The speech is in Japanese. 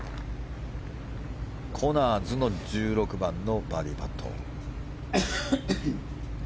コナーズの１６番のバーディーパット。